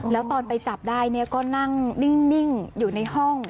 แล้วตอนไปจับได้เนี่ยก็นั่งนิ่งอยู่ในห้อง